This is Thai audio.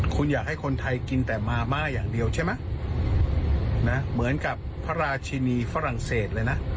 คุณอยากให้คนไทยกินแต่มาม่าอย่างเดียวใช่ไหมนะเหมือนกับพระราชินีฝรั่งเศสเลยนะ